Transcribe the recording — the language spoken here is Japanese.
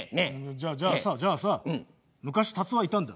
じゃじゃあさじゃあさ昔タツはいたんだ。